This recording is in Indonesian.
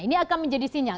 ini akan menjadi sinyal